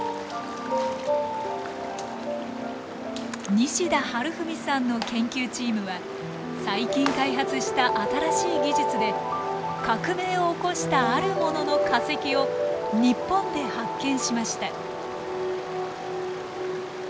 西田治文さんの研究チームは最近開発した新しい技術で革命を起こしたあるものの化石を日本で発見しました。